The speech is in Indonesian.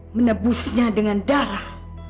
menebusnya dengan darah